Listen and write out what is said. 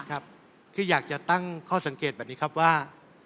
ครับที่อยากจะตั้งข้อสังเกตแบบนี้ครับว่า